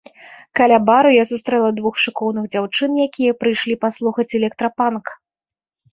Каля бару я сустрэла двух шыкоўных дзяўчын, якія прыйшлі паслухаць электрапанк.